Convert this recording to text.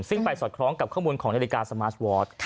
ซึ่งไปสอดคล้องกับข้อมูลของนาฬิกาสมาร์ทวอร์ด